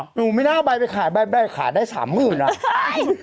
หนูไม่น่าเอาใบไปขายใบขายได้สามหมื่นอ่ะใช่